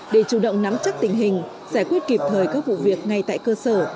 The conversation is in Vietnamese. để chủ động nắm chắc tình hình giải quyết kịp thời các vụ việc ngay tại cơ sở